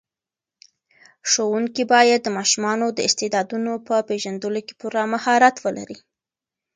ښوونکي باید د ماشومانو د استعدادونو په پېژندلو کې پوره مهارت ولري.